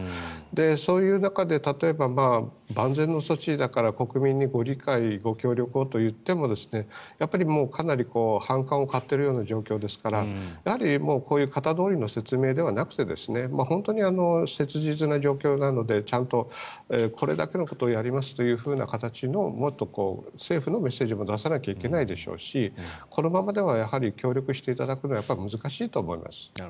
そういう中で例えば万全の措置だから国民にご理解、ご協力といってももうかなり反感を買っているような状況ですからやはりこういう型どおりの説明ではなくて本当に切実な状況なのでちゃんとこれだけのことをやりますという形のもっと政府のメッセージも出さなきゃいけないでしょうしこのままでは協力していただくのはやっぱり難しいと思います。